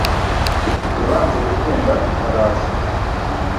yabanje gukunda ifarashi